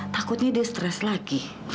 takutnya dia stres lagi